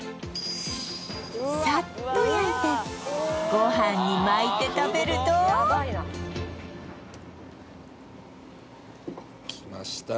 さっと焼いてご飯に巻いて食べるときました